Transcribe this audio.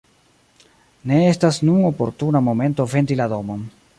Ne estas nun oportuna momento vendi la domon.